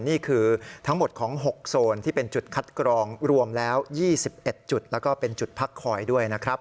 นี่คือทั้งหมดของ๖โซนที่เป็นจุดคัดกรองรวมแล้ว๒๑จุดแล้วก็เป็นจุดพักคอยด้วยนะครับ